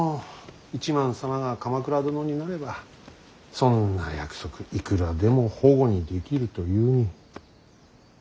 一幡様が鎌倉殿になればそんな約束いくらでも反故にできるというに。